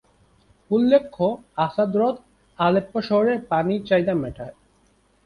উল্লেখ্য, আসাদ হ্রদ আলেপ্পো শহরের পানির চাহিদা মেটায়।